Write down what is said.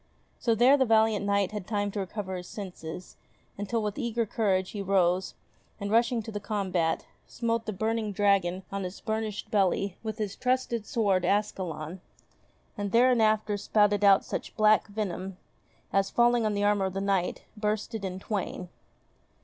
So there the valiant knight had time to recover his senses, until with eager courage he rose, and rushing to the combat, smote the burning dragon on his burnished belly with his trusty sword Ascalon ; and thereinafter spouted out such black venom, as, falling on the armour of the Knight, burst it in twain.